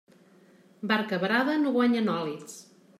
Barca varada no guanya nòlits.